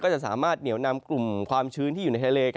จะสามารถเหนียวนำกลุ่มความชื้นที่อยู่ในทะเล